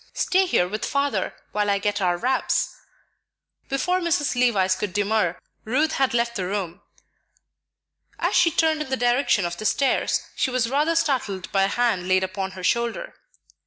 Stay here with Father while I get our wraps." Before Mrs. Levice could demur, Ruth had left the room. As she turned in the direction of the stairs, she was rather startled by a hand laid upon her shoulder.